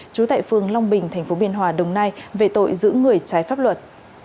trú tại phường long bình tp biên hòa đồng nai về tội giữ người trái pháp luật